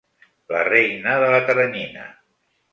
La reina de la teranyina.